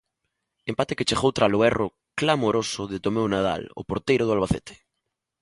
Empate que chegou tralo erro clamoroso de Tomeu Nadal, o porteiro do Albacete.